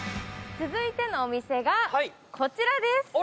続いてのお店がこちらです